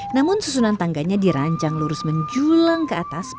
namun susunan tangganya dirancang lurus menjulang ke atas